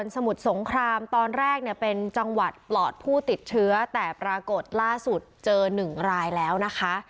สมุทรสงครามตอนแรกเนี่ยเป็นจังหวัดปลอดผู้ติดเชื้อแต่ปรากฏล่าสุดเจอ๑รายแล้วนะคะ